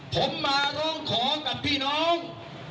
ผมมาร้องขอกับพี่น้อง